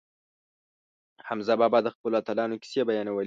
حمزه بابا د خپلو اتلانو کیسې بیانولې.